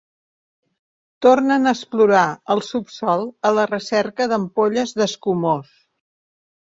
Tornem a explorar el subsòl a la recerca d'ampolles d'escumós.